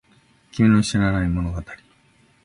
君の知らない物語